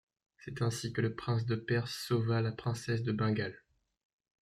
C'est ainsi que le prince de Perse sauva la princesse de Bengale.